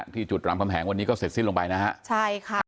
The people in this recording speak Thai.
ที่จุดรามคำแหงวันนี้ก็เสร็จสิ้นลงไปนะฮะใช่ค่ะ